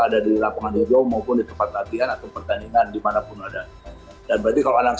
ada di lapangan hijau maupun di tempat latihan atau pertandingan dimanapun ada dan berarti kalau anak